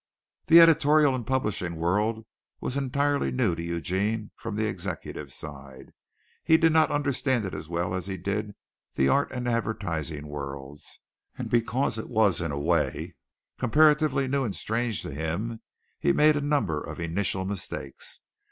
The editorial and publishing world was entirely new to Eugene from the executive side. He did not understand it as well as he did the art and advertising worlds, and because it was in a way comparatively new and strange to him he made a number of initial mistakes.